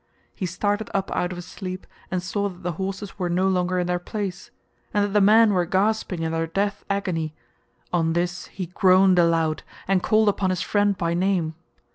He started up out of his sleep and saw that the horses were no longer in their place, and that the men were gasping in their death agony; on this he groaned aloud, and called upon his friend by name.